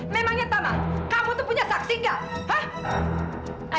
memangnya tante kamu tuh punya saksi nggak hah